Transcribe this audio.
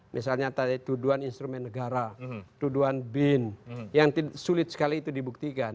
misalnya tadi tuduhan instrumen negara tuduhan bin yang sulit sekali itu dibuktikan